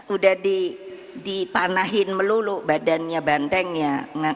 udah dipanahin melulu badannya bandengnya